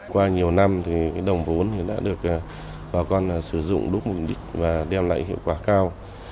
qua nhiều năm thì đồng vốn đã được bà con sử dụng đúc mục đích và đem lại hiệu quả cao